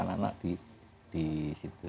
anak anak di situ